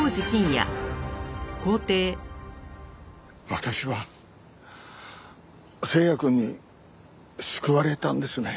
私は星也くんに救われたんですね。